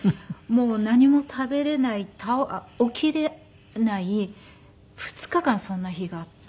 もう何も食べれない起きれない２日間そんな日があって。